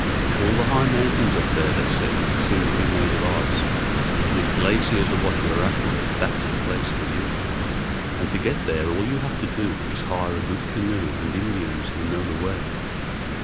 All the high mountains up there, they said, seemed to be made of ice, and if glaciers "are what you are after, that's the place for you," and to get there "all you have to do is to hire a good canoe and Indians who know the way."